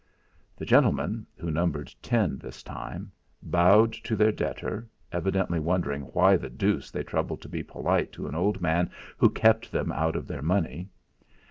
The gentlemen, who numbered ten this time, bowed to their debtor, evidently wondering why the deuce they troubled to be polite to an old man who kept them out of their money.